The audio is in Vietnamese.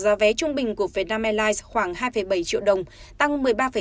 giá vé trung bình của việt nam airlines khoảng hai bảy triệu đồng tăng một mươi ba tám